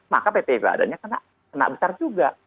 maka pt badannya kena besar juga